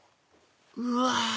うわ！